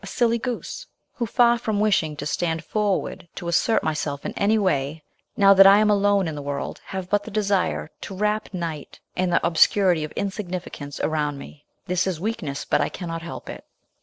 silly goose, who, far from wishing to stand forward to assert myself in any way, now that I am alone in the world have but the desire to wrap night and the obscurity of insignificance around me. This is weakness, but I cannot help it."